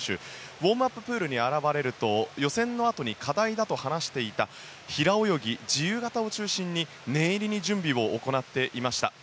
ウォームアッププールに現れると予選のあとに課題だと話していた平泳ぎ、自由形を中心に念入りに準備を行っていました。